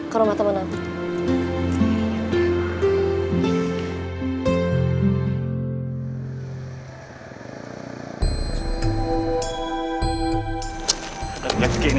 ke rumah temen temen